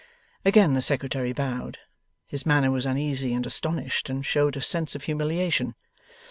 Again the Secretary bowed. His manner was uneasy and astonished, and showed a sense of humiliation.